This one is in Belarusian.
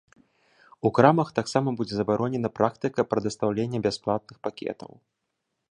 У крамах таксама будзе забаронена практыка прадастаўлення бясплатных пакетаў.